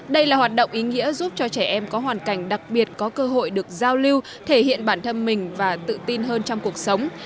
đây là hoạt động ý nghĩa giúp cho trẻ em có hoàn cảnh đặc biệt có cơ hội được giao lưu thể hiện bản thân mình và tự tin hơn trong cuộc sống